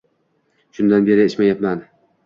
- Shundan beri ichmayapman...